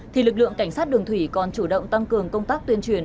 thì lực lượng cảnh sát đường thủy còn chủ động tăng cường công tác tuyên truyền